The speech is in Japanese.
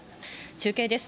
中継です。